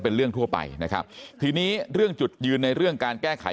เป็นเรื่องทั่วไปนะครับทีนี้เรื่องจุดยืนในเรื่องการแก้ไข